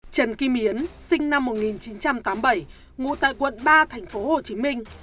trần kim yến sinh năm một nghìn chín trăm tám mươi bảy ngụ tại quận ba thành phố hồ chí minh